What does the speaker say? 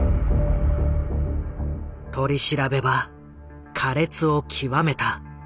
取り調べは苛烈を極めた。